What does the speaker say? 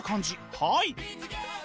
はい！